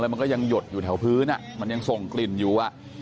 มันก็ยังหยดอยู่แถวพื้นมันยังส่งกลิ่นอยู่